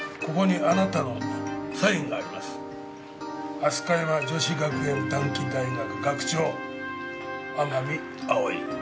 「飛鳥山女子学園短期大学学長天海葵」